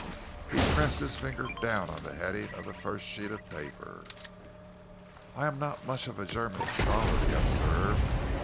He pressed his finger down on the heading of the first sheet of paper. "I am not much of a German scholar," he observed.